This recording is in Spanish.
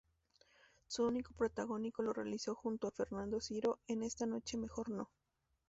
Su único protagónico lo realizó junto a Fernando Siro en "Esta noche mejor no".